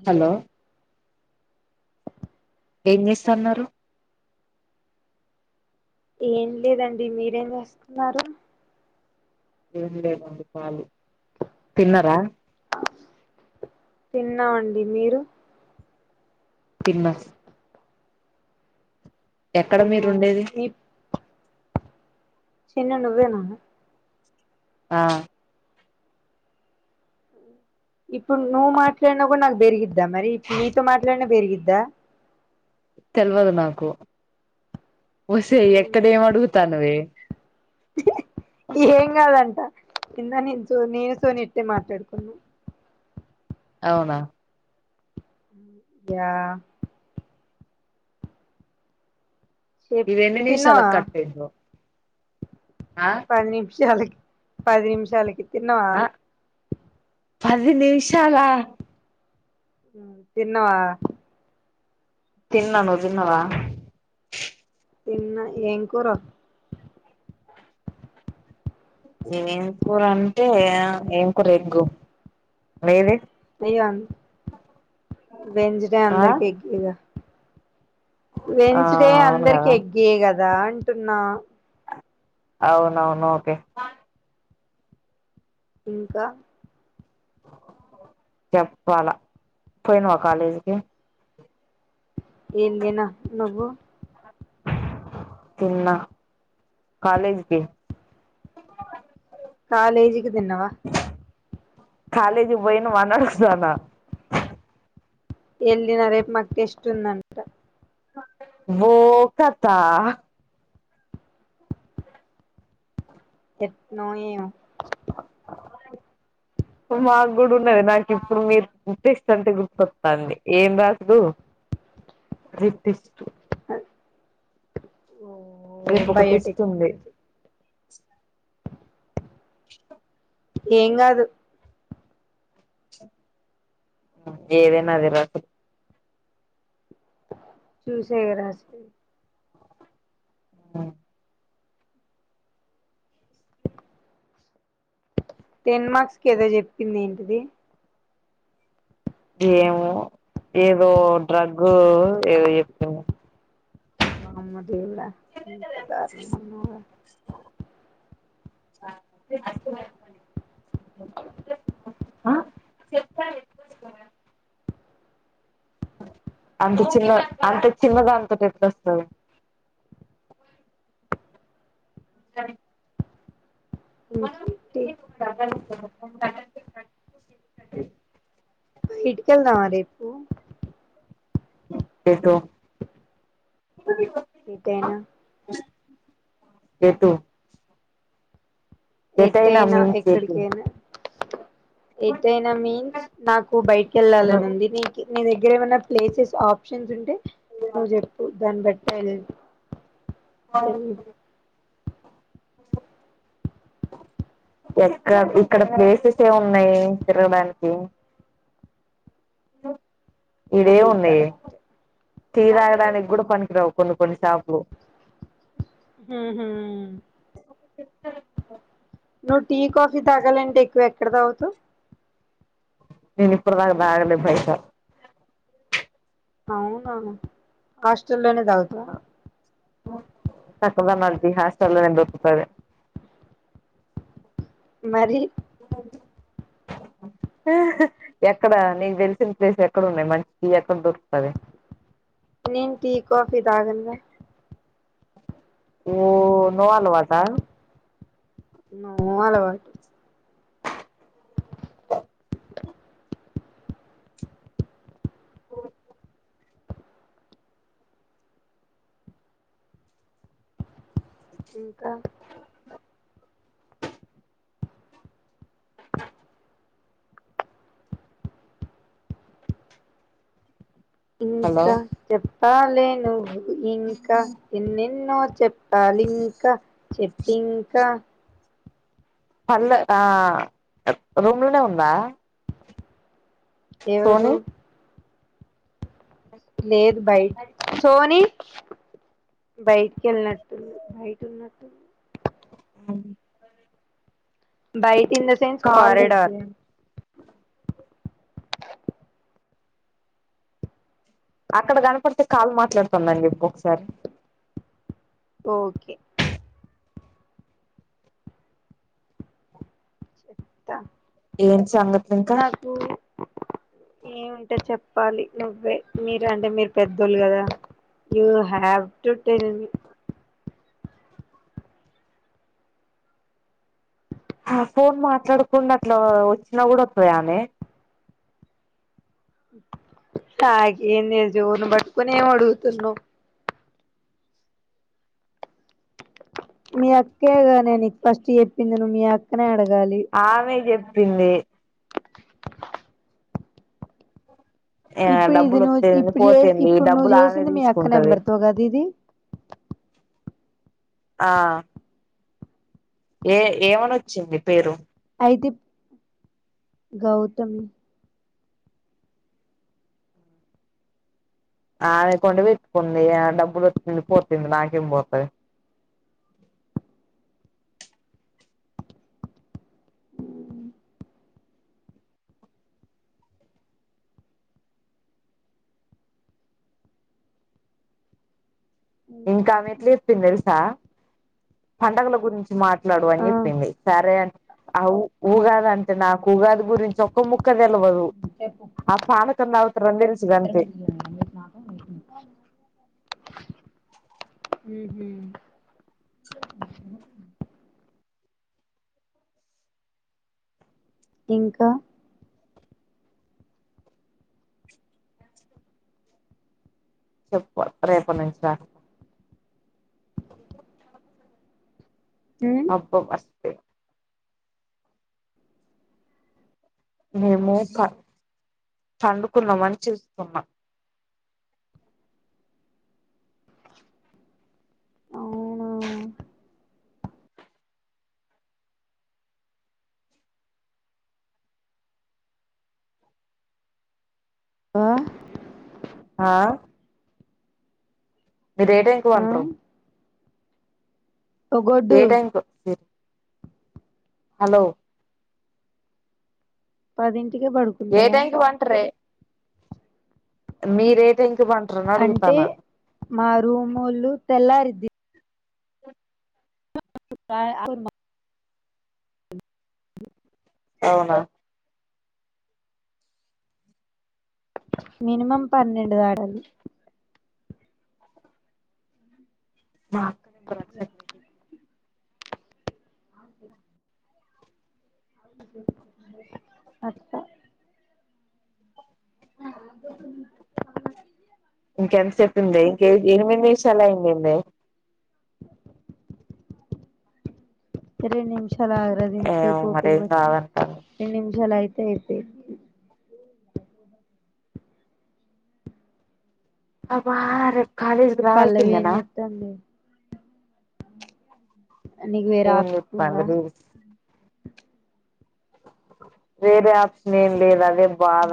Hello ఏం చేస్తన్నారు ఏం లేదండి మీరేం చేస్తున్నారు ఏం లేదండి కాలీ తిన్నరా తిన్నామండి మీరు తిన్నం ఎక్కడ అవును మీరుండేది నీ చిన్న నువ్వేనా ఆ ఇప్పుడు నువ్వు మాట్లాడినా కూడా నాకు పెరిగిద్దా మరి ఇప్పుడు నీతో మాట్లాడినా పెరిగిద్దా [inaudible] తెలియదు నాకు ఒసేయ్ ఎక్కడ మ్మ్. ఏం అడుగుతానువే కిందా నుంచో నీతో ఇట్టే మాట్లాడుకున్నా అవునా యా ఇది చెప్పు ఎన్ని నిమిషాల తిన్నావా కంటెంట్ పది నిమిషాలకి పది నిమిషాలకి తిన్నవా ఆ పది నిమిషాలా తిన్నవా తిన్నను నువ్వు తిన్నవా తిన్న ఏం కుర ఏం కూర అంటే ఏంకూర ఎగ్గు మీది వెనస్ డే ఆ అందరికీ ఎగ్గేగా ఆ వెన్స్డే అవును అందరికి కదా ఎగ్గేే కదా అంటున్నా అవునవును ఓకే ఇంక చెప్పాలా పోయినువా కాలేజీకి నేనూ పోయిన నువ్వు తిన్న కాలేజ్కి [inaudible] కాలేజికి తిన్నావా కాలేజీ పోయనవా అని అడుగుతన్న వెళ్లిన రేపు మాకు టెస్ట్ఉందంట వో కథ ఎట్నో ఏమో అ మాకు కూడా ఉన్నది నాకు ఇప్పుడు మీరు టెస్ట్ అంటే గుర్తొస్తుంది ఏం రాదు [unintelligible] ఓ రేపు ఒక టెస్ట్ ఉంది బయోటెక్నాలజీ [inaudible] [inaudible] ఏం కాదు ఏదైన అదే ర చూసే [unintelligible] ఆ టెన్ మార్క్స్ కేది చెప్పింది ఏంటది ఏమో ఏదో డ్రగ్ ఏదో చెప్పింది వామ్మ దేవుడా ఇంత దారుణం ఉన్నార [inaudible] చెప్ [unintelligible] అంత చిన్న అంత చిన్న ఎట్ల వస్తుంది సరె ఇంకేంటి [inaudible] బయటికి వెళ్దామా రేపు ఎటు ఎటైనా ఎటు ఎటైనా ఎట్టయినా మీన్స్ ఎటు ఎక్కడికైనా ఎటయినా మీన్స్ నాకు బయటికి వెళ్ళాలని ఉంది నీకి నీ దగ్గర ఏమైన్నా ప్లేసెస్ ఆప్షన్స్ ఉంటే నువ్వు చెప్పు దాన్ని బట్ సరే ఆ ఎక్క ఇక్కడ ప్లేసెస్ ఏ ఉన్నాయి తిరగడానికి అ అది కరెక్ట్ టి తాగడానికి కూడా పనికిరావు కొన్ని కొన్ని షాపులు హు హు నువ్వు టీ కాఫీ తాగాలింటే ఎక్కువ ఎక్కడ తాగుతావ్ నేను ఇప్పుడుదాకా తాగలే భయట అవునా హాస్టల్ లోనే తాగుత చక్కగా ఇ మధ్య హాస్టలోనే దొరుకుతది మరి ఎక్కడి ఎక్కడ నీకు తెలిసిన ప్లేస్ ఎక్కడ ఉన్నాయి మంచి టి ఎక్కడ దొరుకుతది నేన్ టీ కాఫీ తాగానుగా ఓ నో ఆల్వాటా నో అలవాటు ఇంకా హలో ఇంకా చెప్పాలే నువ్వు ఇంకా ఎన్నెన్నో చెప్పాలింకా చెప్పు ఇంకా పళ్ళు ఆ రూమ్ లనే ఉందా ఎవరు సోని లేదు బైట్ సోని బయటి కేళ్ళినట్టుంది బయట ఉన్నట్టుంది బైట్ in the sense call lift కారేడార్ చేయి అక్కడ కనపడితే కాల్ మాట్లాడుతుందని చెప్పు ఒకసారి ఓకే చెప్తా ఏం చందర్ నాకు ఏమింటే చెప్పాలి నువ్వే మీరు అంటే మీరు పెద్దోళ్ళు కదా యూ హవ్ టు టెల్ ఆ ఫోన్ మాట్లాడకుండా అట్లా వచ్చినా కూడా వత్తయానే నాకెం తెలుసు ఎవర్నీ పట్టుకొని ఏం అడుగుతున్నావు మీ అక్కేగానే నీకు ఫస్ట్ చెప్పిందిను మీ అక్కనే అడగ ఆమె చెప్పింది య ఇప్పుడు ఇది డబ్బులు నువ్వు వాతేంది ఇప్పుడు పోతేంది చే వారికి ఈ ఇప్పుడు నువ్వు డబ్బులు ఆమె చేసింది మీ అక్క తీసుకుంటది నెంబర్ తో కదా ఇది ఆ ఏ ఏమని వచ్చింది పేరు అయితే ఇప్ గౌతమి ఆమే అకౌంట్ వెట్కుంది ఆ డబ్బులు వత్తెంది పోతెంది నాకేం పోతది ఇంకా ఆమె ఎట్ల చెప్పింది తెలుసా పండగల గురించి మాట్లాడు అని ఆ చెప్పింది సరే అం ఆ ఉ ఉగాది అంటే నాకు ఉగాది గురించి ఒక్క ముక్క తెలువదు ఆ పానా కం తాగుతరని తెలుసు గంతే ఇద్ద ఉహు ఇంకా చెప్ప రేపనుంచ ఉమ్ అబ్బబ మేము క పండుకుందామని చూస్తున్నా అవునా వా ఆ మీరు ఏ టైంకు ఆ వంట్రు ఏ ఒగొడ్డు టైంకు హలో పది ఏ టైంకి వంటరే మీరు ఏ టైం అంటే మా రూమొళ్ళు తెల్లారిద్ది అ అవునా మనిమం పన్నెడు దాటాలి బా అ అా ఇంకెంత సేపు ఉంది ఇంక ఎనిమిది నిమిషాలు అయిందింది రెండు నిమిష రెండు నిమిషాలు అగరది ఇంత ఏమో సేపు ఓపిక మరేం పట్టినవు కాదంటాంది రెండు నిమిషాలు ఆగితే అయిపోయేది అబ్బా రేపు కాలేజ్ కి పల్లవి ఏం రావాల్సందనా చేత్తాంది నీకు వేరే ఫోన్ ఆప్షన్ ఉందా చూత్తాంది రీల్స్ వేరే ఆప్షన్ ఏం లేదు అదే బాధ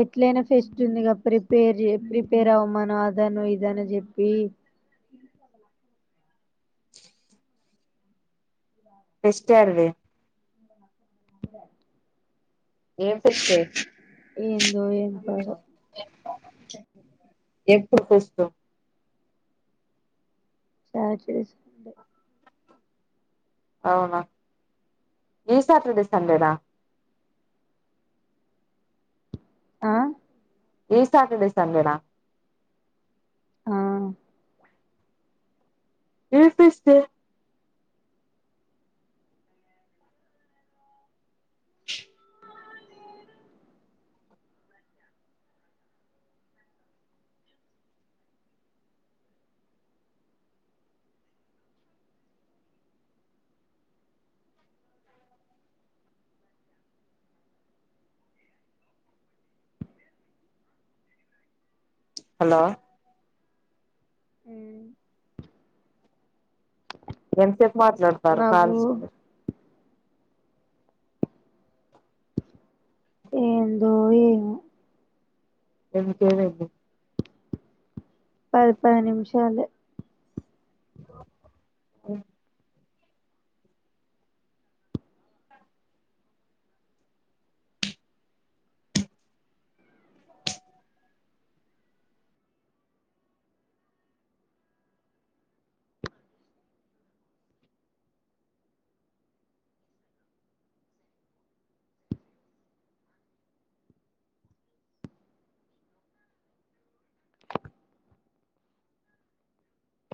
ఎట్లైనా ఫెస్ట్ ఉందిగా ప్రిపేర్ ప్రిపేర్ అవ్వమాను అదను ఇదన చెప్పి ఫెస్ట్ యాడ వే అ ఏం ఫెస్ట్ ఏందో ఏం పాడో ఎప్పుడు ఫస్ట్ శాటర్డే అవునా ఈ సాటర్డే సండేనా ఆ ఈ సాటర్డే సండేనా ఆ ఏం ఫెస్ట్ హలో అ ఎంతసేపు మాట్లాడతారు నాకు కాల్స్ మీరు ఏందో ఏమో ఎందుకే పది పది నిమిషాలే ఆఓ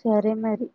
సరే మరి